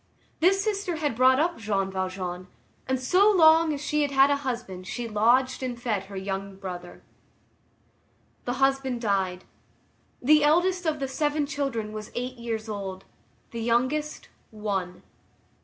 This sister had brought up Jean Valjean, and so long as she had a husband she lodged and fed her young brother. The husband died. The eldest of the seven children was eight years old. The youngest, one.